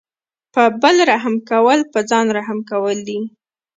په بل رحم کول په ځان رحم کول دي.